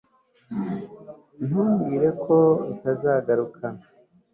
Ntumbwire ko utazagaruka